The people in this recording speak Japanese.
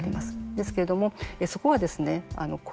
ですけれども、そこはですね怖